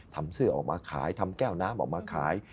ทำเสื้อออกมาขายทำแก้วน้ำออกมาขาย